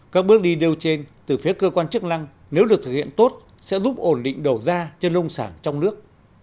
các bước đi đeo trên từ phía cơ quan chức năng nếu được thực hiện tốt sẽ giúp ổn định đầu ra cho nông sản trong nước